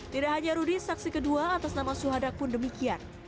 tidak hanya rudy saksi kedua atas nama suhadang pun demikian